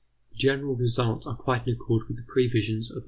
The general results are quite in accord with the previsions of M.